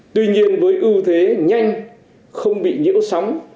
tuy nhiên với ưu thế nhanh không bị nhiễu sóng